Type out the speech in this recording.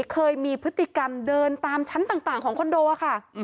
เคยมีพฤติกรรมเดินตามชั้นต่างของคอนโดค่ะ